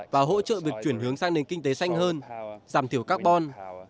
và hỗ trợ việc chuyển hướng sang nền kinh tế xanh hơn giảm thiểu carbon